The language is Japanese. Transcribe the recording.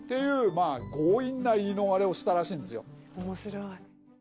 面白い。